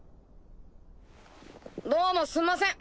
どうもすんません